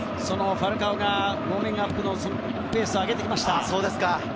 ファルカオがウオーミングアップのペースを上げてきました。